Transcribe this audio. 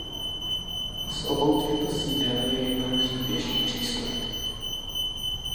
Z obou těchto sídel je jednoduchý pěší přístup.